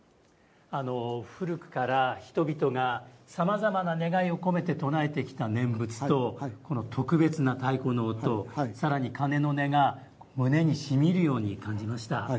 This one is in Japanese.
古くから人々がさまざまな願いを込めて唱えてきた念仏とこの特別な太鼓の音さらに鉦の音が胸にしみいるように感じました。